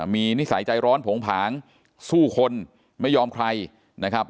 มีนิสัยใจร้อนโผงผางสู้คนไม่ยอมใครนะครับ